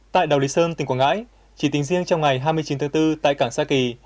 tại đảo lý sơn tỉnh quảng ngãi chỉ tính riêng trong ngày hai mươi chín tháng bốn tại cảng sa kỳ